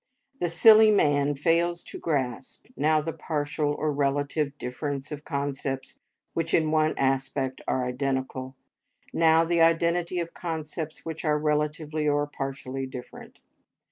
The silly man fails to grasp, now the partial or relative difference of concepts which in one aspect are identical, now the identity of concepts which are relatively or partially different.